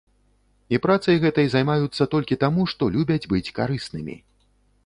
І працай гэтай займаюцца толькі таму, што любяць быць карыснымі.